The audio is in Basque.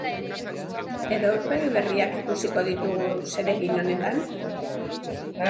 Edo aurpegi berriak ikusiko ditugu zeregin honetan?